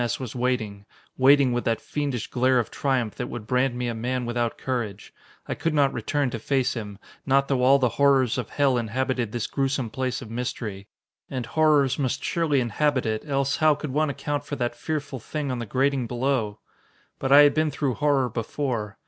S. was waiting, waiting with that fiendish glare of triumph that would brand me a man without courage. I could not return to face him, not though all the horrors of hell inhabited this gruesome place of mystery. And horrors must surely inhabit it, else how could one account for that fearful thing on the grating below? But I had been through horror before.